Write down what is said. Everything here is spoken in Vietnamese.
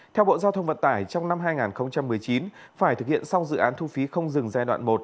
theo bộ giao thông vận tải trong năm hai nghìn một mươi chín phải thực hiện xong dự án thu phí không dừng giai đoạn một